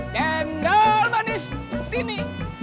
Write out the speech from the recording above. cendol manis tini